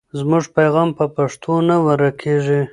زموږ پیغام په پښتو نه ورکېږي.